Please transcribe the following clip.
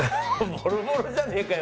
ボロボロじゃねえかよ